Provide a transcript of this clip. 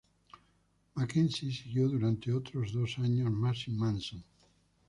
Mackenzie siguió durante otros dos años más sin Manson.